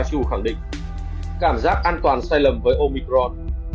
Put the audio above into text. cảm giác an toàn sai lầm với omicron